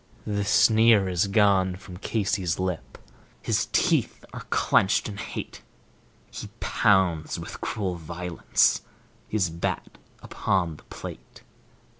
The sneer is gone from Casey's lip; his teeth are clenched in hate; He pounds with cruel violence his bat upon the plate.